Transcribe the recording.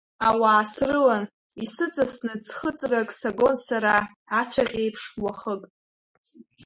Ауаа срылан, исыҵасны ӡхыҵрак сагон сара, аҵәаҟьеиԥш, уахык.